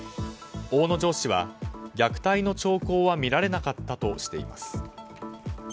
大野城市は、虐待の兆候は見られなかったとしています。